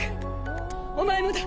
お前もだ！